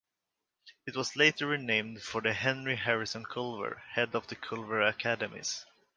It was later renamed for the Henry Harrison Culver, head of the Culver Academies.